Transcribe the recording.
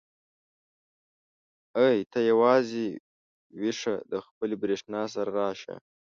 ای ته یوازې ويښه د خپلې برېښنا سره راشه.